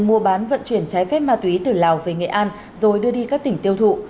mua bán vận chuyển trái phép ma túy từ lào về nghệ an rồi đưa đi các tỉnh tiêu thụ